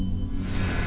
aku mau lihat